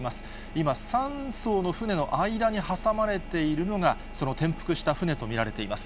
今、３そうの船の間に挟まれているのが、その転覆した船と見られています。